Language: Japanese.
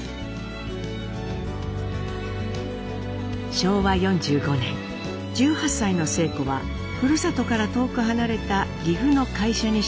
昭和４５年１８歳の晴子はふるさとから遠く離れた岐阜の会社に就職。